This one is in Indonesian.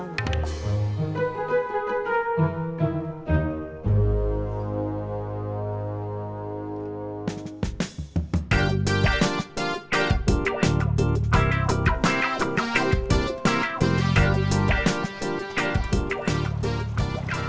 jangan berdiri di jalan